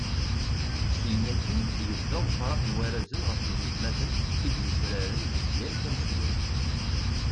Syin akkin, yebda ufraq n warrazen ɣef yinelmaden i d-yufraren deg yal tasmilt.